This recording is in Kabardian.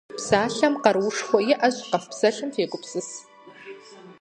Псалъэм къэруушхуэ иӏэщ, къэфпсэлъым фегупсыс.